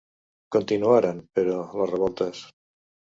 Continuaren, però, les revoltes.